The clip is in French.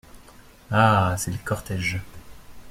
Ah ! c’est le cortège !…